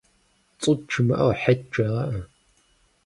Цӏут жымыӏэу, Хьет жегъыӏэ!